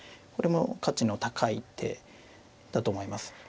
これも価値の高い一手だと思います。